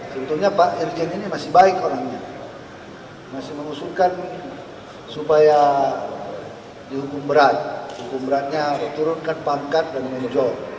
tentunya pak irjen ini masih baik orangnya masih mengusulkan supaya dihukum berat hukum beratnya turunkan pangkat dan mengejot